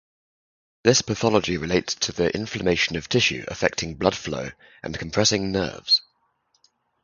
This pathology relates to the inflammation of tissue affecting blood flow and compressing nerves.